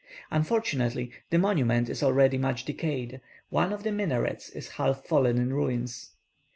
Unfortunately, the monument is already much decayed; one of the minarets is half fallen in ruins.